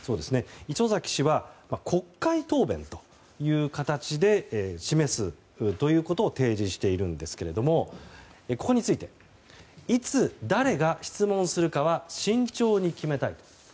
礒崎氏は国会答弁という形で示すことを提示しているんですがここについていつ誰が質問するかは慎重に決めたい。